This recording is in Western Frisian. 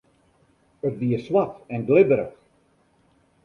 It wie swart en glibberich.